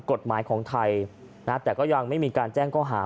กฎหมายของไทยนะแต่ก็ยังไม่มีการแจ้งข้อหา